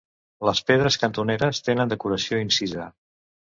Les pedres cantoneres tenen decoració incisa.